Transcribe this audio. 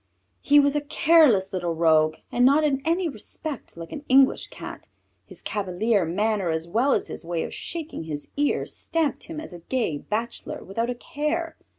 He was a careless little rogue and not in any respect like an English Cat. His cavalier manner as well as his way of shaking his ear stamped him as a gay bachelor without a care.